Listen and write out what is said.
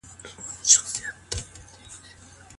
بلخ بې تاریخه نه دی.